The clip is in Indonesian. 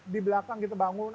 di belakang kita bangun